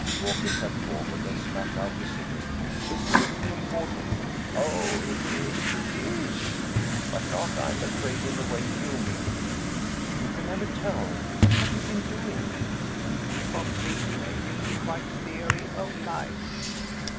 Walker sat forward and smashed out his cigarette. "This may be important." "Oh, it is, it is. But not, I am afraid, in the way you mean." "You can never tell. What have you been doing?" "Completing a unified theory of life.